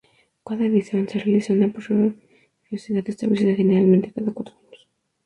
Cada edición se realiza con una periodicidad establecida, generalmente cada cuatro años.